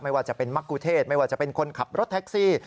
ไม่ว่าจะเป็นมรกุเทศไม่ว่าจะเป็นคนขับรถแท็กซี่